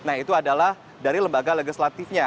nah itu adalah dari lembaga legislatifnya